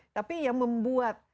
tapi yang membuat